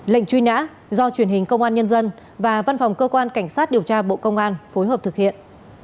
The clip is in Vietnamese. lệnh truy nã do truyền hình công an nhân dân và văn phòng cơ quan cảnh sát điều tra bộ công an phối hợp thực hiện